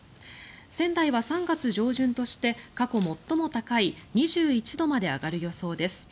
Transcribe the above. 仙台は３月上旬として過去最も高い２１度まで上がる予想です。